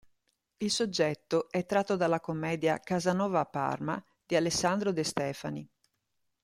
Il soggetto è tratto dalla commedia "Casanova a Parma" di Alessandro De Stefani.